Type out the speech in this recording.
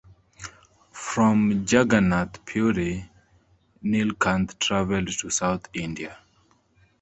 From Jagannath Puri, Nilkanth traveled to South India.